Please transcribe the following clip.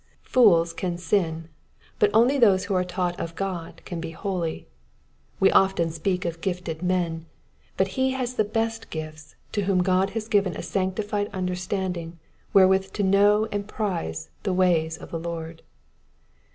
Fools can sin ; but only those who are taught of God can be holy. We often speak of pfifted men ; but he has the best gifts to whom God has given a sanctified understanding where with to know and prize the ways of the Lord.